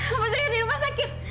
kalau saya di rumah sakit